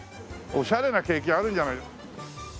おしゃれなケーキ屋あるじゃない。